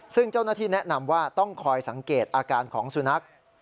ซึ่งเจ้าหน้าที่แนะนำว่าต้องคอยสังเกตอาการของสุนัข